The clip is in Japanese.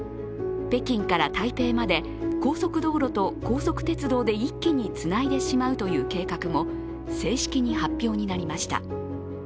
北京から台北まで高速道路と高速鉄道で一気につないでしまうという計画も正式に発表になりました。